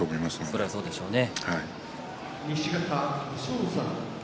それはそうでしょうね。